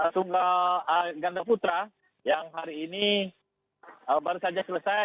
sunggal gandaputra yang hari ini baru saja selesai